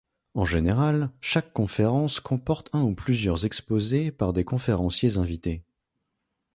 En général, chaque conférence comporte un ou plusieurs exposés par des conférenciers invités.